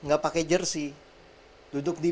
nggak pakai jersi duduk di